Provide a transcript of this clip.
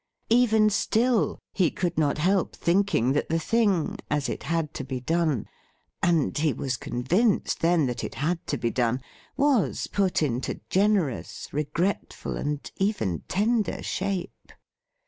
Even still he could not help thinking that the thing, as it had to be done — and he was convinced then that it had to be done — was put into generous, regretful, and even tender shape.